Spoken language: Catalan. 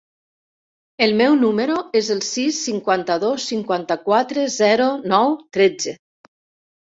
El meu número es el sis, cinquanta-dos, cinquanta-quatre, zero, nou, tretze.